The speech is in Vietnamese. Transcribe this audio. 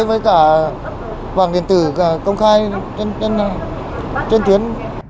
với cả vàng điện tử công khai trên tuyến